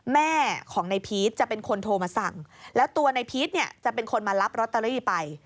แม่ของในพีชจะเป็นคนโทรมาสั่งแล้วตัวในพีชเนี่ยจะเป็นคนมารับลอตเตอรี่ไป